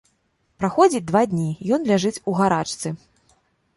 Праходзіць два дні, ён ляжыць у гарачцы.